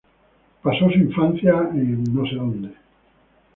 Pasó su infancia en St.